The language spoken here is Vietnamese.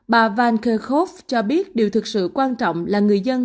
bà van kerkhove cho biết điều thực sự quan trọng là người dân